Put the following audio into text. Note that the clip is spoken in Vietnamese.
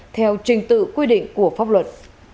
theo trình tự quy định của pháp luật